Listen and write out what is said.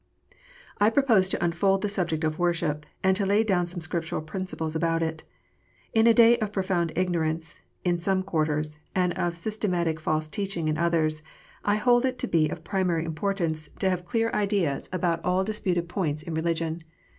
I propose to unfold the subject of worship, and to lay down some Scriptural principles about it. In a day of profound ignorance in some quarters, and of systematic false teaching in others, I hold it to be of primary importance to have clear ideas 278 KNOTS UNTIED. about all disputed points in religion.